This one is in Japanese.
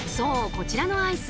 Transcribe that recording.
こちらのアイス